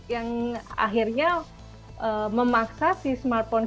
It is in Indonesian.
yang akhirnya memaksa si smartphone